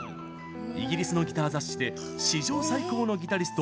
イギリスのギター雑誌で「史上最高のギタリスト」